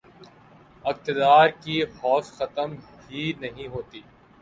اقتدار کی ہوس ختم ہی نہیں ہوتی